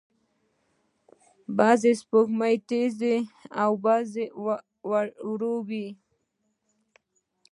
بعضې سپوږمۍ تیز او بعضې ورو دي.